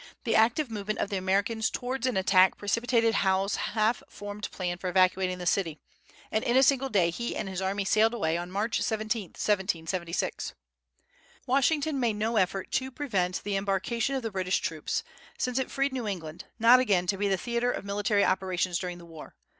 The active movements of the Americans towards an attack precipitated Howe's half formed plan for evacuating the city, and in a single day he and his army sailed away, on March 17, 1776. Washington made no effort to prevent the embarkation of the British troops, since it freed New England, not again to be the theatre of military operations during the war.